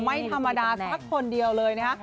ไม่ธรรมดาสักคนเดียวเลยนะฮะ